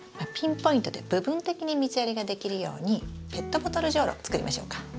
ピンポイントで部分的に水やりができるようにペットボトルじょうろ作りましょうか。